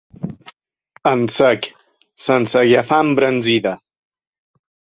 En sec. Sense agafar embranzida.